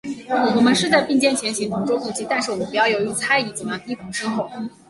我们是在并肩前行，同舟共济，但是我们不要由于猜疑，总要提防身后。